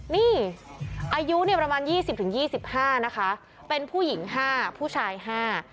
นี่อายุเนี่ยประมาณยี่สิบถึงยี่สิบห้านะคะเป็นผู้หญิงห้าผู้ชายห้า